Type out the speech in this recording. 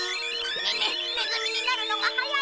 ネネズミになるのが早い！